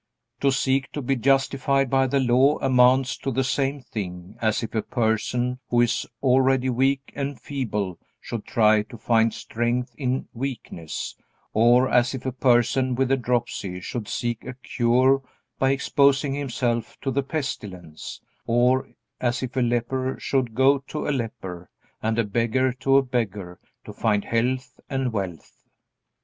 To seek to be justified by the Law amounts to the same thing as if a person who is already weak and feeble should try to find strength in weakness, or as if a person with the dropsy should seek a cure by exposing himself to the pestilence, or as if a leper should go to a leper, and a beggar to a beggar to find health and wealth.